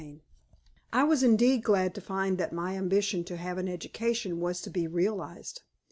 CHAPTER II I was indeed glad to find that my ambition to have an education was to be realized.